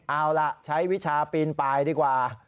เอาล่ะใช้วิชาปีนปลายดีกว่า